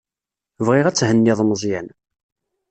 Bɣiɣ ad thenniḍ Meẓyan.